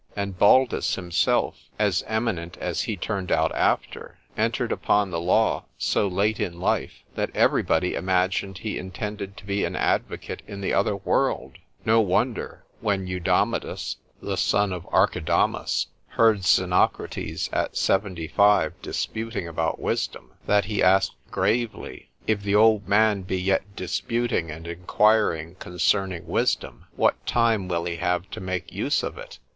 —And Baldus himself, as eminent as he turned out after, entered upon the law so late in life, that every body imagined he intended to be an advocate in the other world: no wonder, when Eudamidas, the son of Archidamas, heard Xenocrates at seventy five disputing about wisdom, that he asked gravely,—_If the old man be yet disputing and enquiring concerning wisdom,—what time will he have to make use of it?